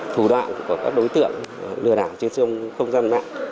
thủ đoạn của các đối tượng lừa đảo trên không gian mạng